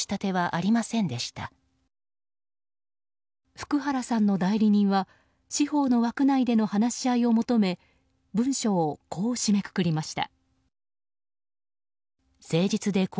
福原さんの代理人は司法の枠内での話し合いを求め文書をこう締めくくりました。